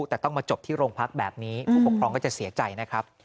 แต่ต้องมาจบที่โรงพักแบบนี้ผู้ปกครองก็จะเสียใจนะครับ